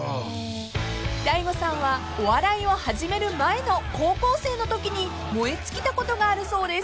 ［大悟さんはお笑いを始める前の高校生のときに燃え尽きたことがあるそうです。